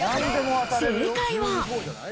正解は。